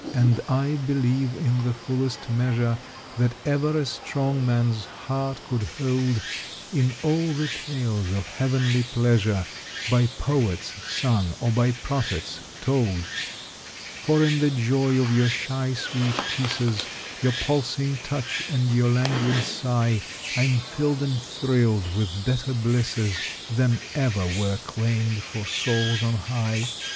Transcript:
And I believe, in the fullest measure That ever a strong man's heart could hold, In all the tales of heavenly pleasure By poets sung or by prophets told; For in the joy of your shy, sweet kisses, Your pulsing touch and your languid sigh I am filled and thrilled with better blisses Than ever were claimed for souls on high.